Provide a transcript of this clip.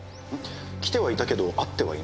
来てはいたけど会ってはいない？